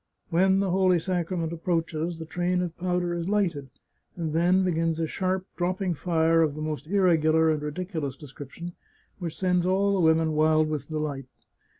When the Holy Sacrament approaches, the train of powder is lighted, and then begins a sharp, dropping fire of the most irregular and ridiculous description, which sends all the women wild with delight.